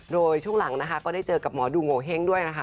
โดยช่วงหลังนะคะก็ได้เจอกับหมอดูโงเห้งด้วยนะคะ